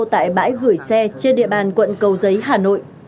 tại bãi gửi xe trên địa bàn quận cầu giấy hà nội